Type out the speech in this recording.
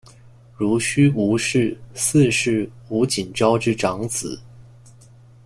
濡须吴氏四世吴景昭之长子。